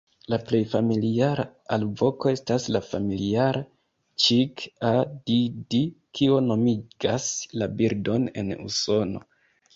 La plej familiara alvoko estas la familiara "ĉik-a-di-di-di" kio nomigas la birdon en Usono.